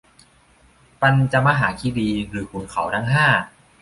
ปัญจมหาคีรี หรือขุนเขาทั้งห้า